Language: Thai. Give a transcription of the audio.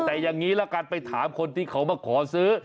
แต่อย่างนี้ละกันไปถามคนที่เขามาขอซื้อ